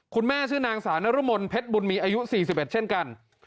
คุณแม่ชื่อนางสาวนรมนเพชรบุญมีอายุ๔๑เช่นกัน